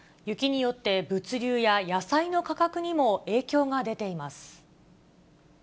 雪によって、物流や野菜の価格にも影響が出ています。